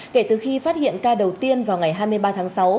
kể từ khi phát hiện ca đầu tiên vào ngày hai mươi ba tháng sáu